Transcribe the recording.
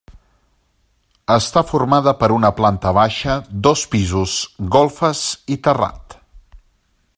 Està formada per una planta baixa, dos pisos, golfes i terrat.